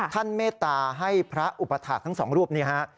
ท่านเมตตาให้พระอุปถักษ์ทั้งสองรูปนี้ฮะ